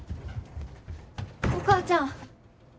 お母ちゃん！